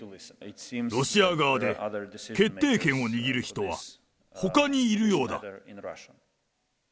ロシア側で決定権を握る人はほかにいるようだ。